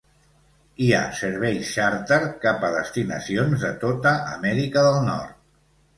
Hi ha serveis xàrter cap a destinacions de tota Amèrica del Nord.